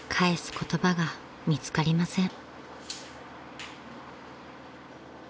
言葉が見つかりません］